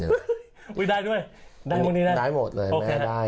อุ้ยได้ด้วยได้หมดเลยแม่ได้